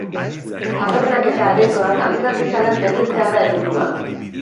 Tabernak eta aretoak antzerkizalez betetzea da helburua.